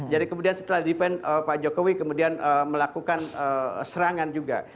jadi kemudian setelah defend pak jokowi kemudian melakukan serangan juga